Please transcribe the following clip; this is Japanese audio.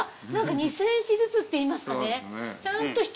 ２ｃｍずつっていいますかね。